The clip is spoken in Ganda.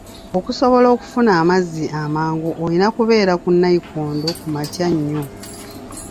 Okusobola okufuna amazzi amangu olina kubeera ku nayikondo ku makya nnyo.